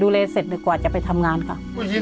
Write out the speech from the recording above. ดูเลเสร็จหนึ่งกว่าจะไปทำงานค่ะ